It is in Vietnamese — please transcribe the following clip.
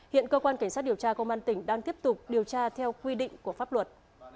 hiện cơ quan cảnh sát điều tra công an tỉnh đang tiếp tục điều tra theo quy định của pháp luật